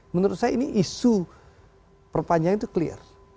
menurut saya ini isu perpanjangan itu clear